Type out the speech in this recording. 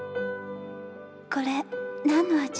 これ何の味？